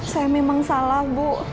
saya memang salah bu